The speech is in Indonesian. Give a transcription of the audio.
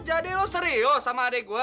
jadi lo serius sama adik gue